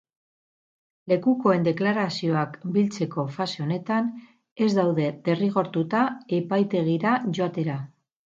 Lekukoen deklarazioak biltzeko fase honetan ez daude derrigortuta epaitegira joatera.